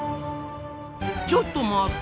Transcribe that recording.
ちょっと待った！